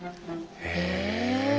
へえ。